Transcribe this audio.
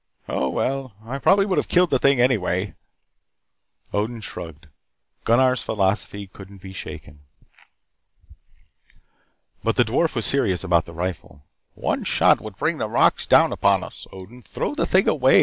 Oh, well, I would probably have killed that thing anyway." Odin shrugged. Gunnar's philosophy couldn't be shaken. But the dwarf was serious about the rifle. "One shot would bring the rocks down upon us, Odin. Throw the thing away.